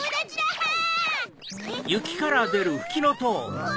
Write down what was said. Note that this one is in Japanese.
うわ